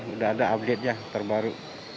ada update nya terbaru